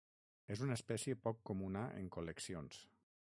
És una espècie poc comuna en col·leccions.